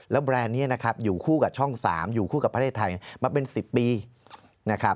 แล้วแบรนด์นี้นะครับอยู่คู่กับช่อง๓อยู่คู่กับประเทศไทยมาเป็น๑๐ปีนะครับ